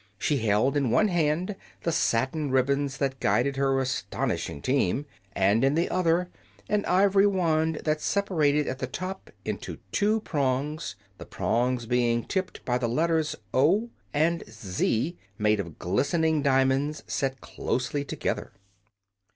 She held in one hand the satin ribbons that guided her astonishing team, and in the other an ivory wand that separated at the top into two prongs, the prongs being tipped by the letters "O" and "Z", made of glistening diamonds set closely together.